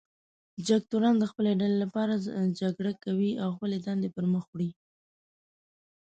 جګتورن د خپلې ډلې لپاره جګړه کوي او خپلې دندې پر مخ وړي.